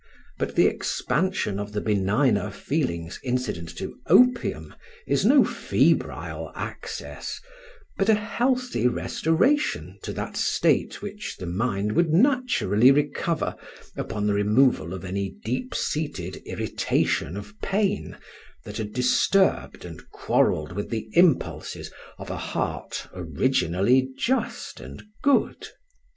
But the expansion of the benigner feelings incident to opium is no febrile access, but a healthy restoration to that state which the mind would naturally recover upon the removal of any deep seated irritation of pain that had disturbed and quarrelled with the impulses of a heart originally just and good.